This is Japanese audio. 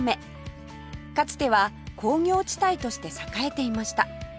かつては工業地帯として栄えていました